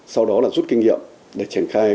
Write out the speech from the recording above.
sau đó là rút kinh nghiệm để triển khai